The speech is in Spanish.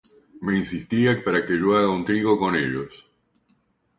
Me insistía para que yo haga un trío con ellos.